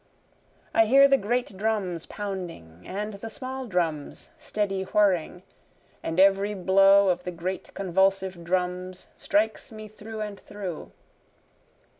I hear the great drums pounding, And the small drums steady whirring, And every blow of the great convulsive drums, Strikes me through and through.